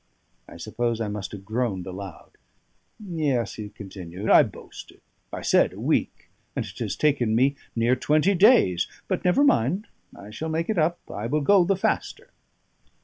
I suppose I must have groaned aloud. "Yes," he continued, "I boasted; I said a week, and it has taken me near twenty days. But never mind; I shall make it up; I will go the faster."